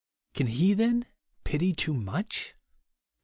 Can he then pity too much